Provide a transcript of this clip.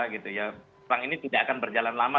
perang ini tidak akan berjalan lama